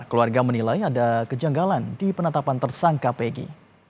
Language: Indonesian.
keluarga menilai ada kejanggalan di penetapan tersangka pegi